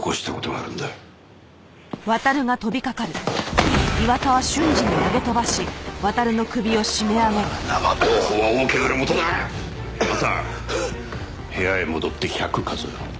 あんたは部屋へ戻って１００数えろ。